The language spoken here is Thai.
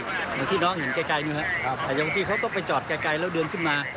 อย่างที่น้องเห็นไกลไกลเนี้ยฮะครับแต่อย่างที่เขาต้องไปจอดไกลไกลแล้วเดินขึ้นมา